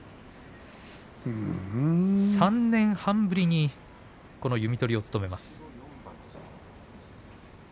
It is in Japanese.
３年半ぶりにこの弓取りを務めます。